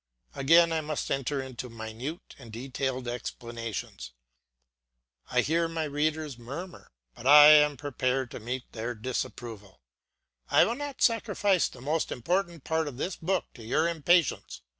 Again I must enter into minute and detailed explanations. I hear my readers murmur, but I am prepared to meet their disapproval; I will not sacrifice the most important part of this book to your impatience.